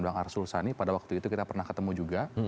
bang arsul sani pada waktu itu kita pernah ketemu juga